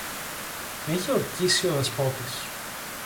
Με είχε ορκίσει ο Δεσπότης